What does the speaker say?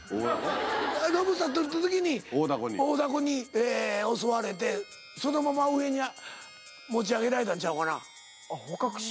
ロブスター捕った時に大ダコに襲われてそのまま上に持ち上げられたんちゃうかな？